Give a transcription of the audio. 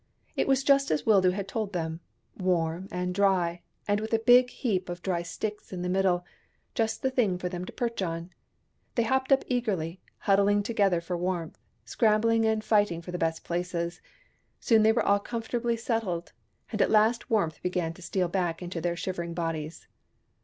It was just as Wildoo had told them : warm and dry, and with a big heap of dry sticks in the middle — just the thing for them to perch on. They hopped up eagerly, huddling together for warmth, scrambling and fighting for the best places. Soon they were all comfortably settled, and at last warmth began to steal back into their shivering bodies.